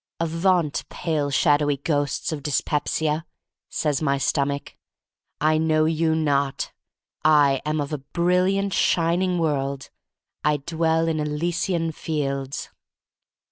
" Avaunt, pale, shadowy ghosts of dyspepsiaf* says my Stomach. "I know you not. I am of a brilliant, shining world. I dwell in Elysian fields."